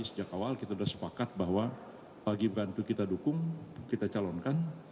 sejak awal kita sudah sepakat bahwa pak gibran itu kita dukung kita calonkan